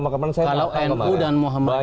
kalau nu dan muhammadin